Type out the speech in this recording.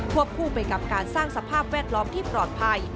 คู่ไปกับการสร้างสภาพแวดล้อมที่ปลอดภัย